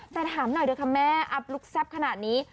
แต่ถามหน่อยเถอะค่ะแม่อัพลุคแซ่บขนาดนี้